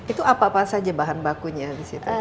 itu apa apa saja bahan bakunya disita